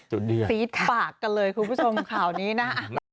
จุดเดือดฟีตปากกันเลยคุณผู้ชมข้าวนี้นะ